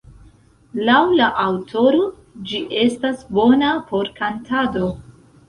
Laŭ la aŭtoro, ĝi estas bona por kantado.